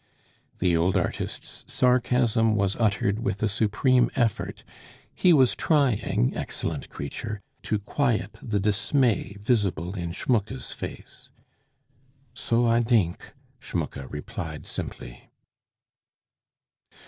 The old artist's sarcasm was uttered with a supreme effort; he was trying, excellent creature, to quiet the dismay visible in Schmucke's face. "So I dink," Schmucke replied simply.